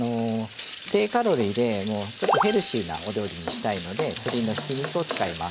低カロリーでちょっとヘルシーなお料理にしたいので鶏のひき肉を使います。